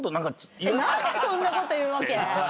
何でそんなこと言うわけ？